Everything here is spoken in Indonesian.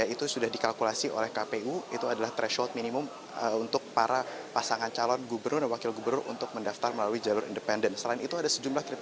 itu sudah dikalkulasi oleh kpu itu adalah threshold minimum untuk para pasangan calon gubernur dan wakil gubernur untuk mendaftar melalui jalur independen